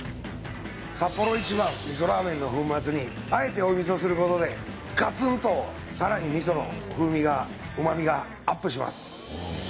サッポロ一番みそラーメンの粉末にあえて追い味噌することでガツンとさらに味噌の風味が旨味がアップします